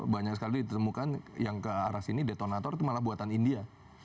banyak sekali ditemukan yang ke arah sini detonator itu malah buatan india